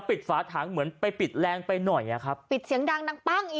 ฝาถังเหมือนไปปิดแรงไปหน่อยอ่ะครับปิดเสียงดังดังปั้งอีก